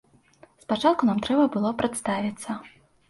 Спачатку нам трэба было прадставіцца.